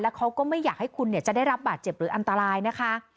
เขาก็ไม่อยากให้คุณจะได้รับบาดเจ็บหรืออันตรายนะคะ